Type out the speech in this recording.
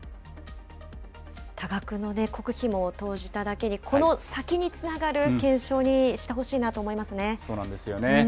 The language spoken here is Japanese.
多額の国費も投じただけに、この先につながる検証にしてほしそうなんですよね。